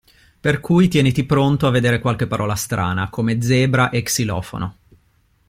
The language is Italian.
Per cui tieniti pronto a vedere qualche parola strana, come zebra e xilofono.